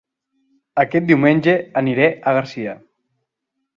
Aquest diumenge aniré a Garcia